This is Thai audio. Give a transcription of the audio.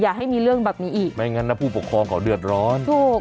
อย่าให้มีเรื่องแบบนี้อีกไม่งั้นนะผู้ปกครองเขาเดือดร้อนถูก